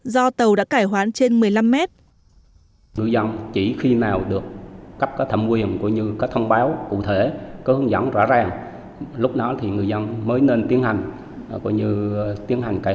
do tàu đã cải hoán trên một mươi năm mét